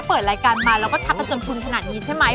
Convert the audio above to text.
เปิดรายการมาแล้วก็ทำระจนภูมิขนาดนี้ใช่ไหม